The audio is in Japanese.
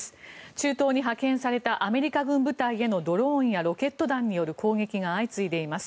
中東に派遣されたアメリカ軍部隊へのドローンやロケット弾による攻撃が相次いでいます。